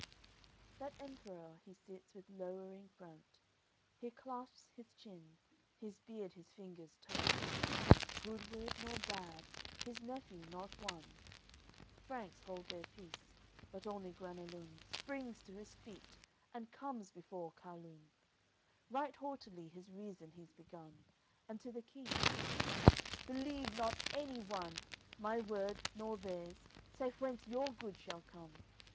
AOI. XV That Emperour he sits with lowering front, He clasps his chin, his beard his fingers tug, Good word nor bad, his nephew not one. Franks hold their peace, but only Guenelun Springs to his feet, and comes before Carlun; Right haughtily his reason he's begun, And to the King: "Believe not any one, My word nor theirs, save whence your good shall come.